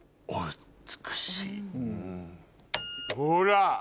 ほら！